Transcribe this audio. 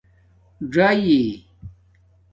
ژائئ